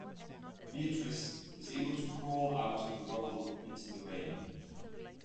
Beatrice was able to crawl out of the rubble into the rain.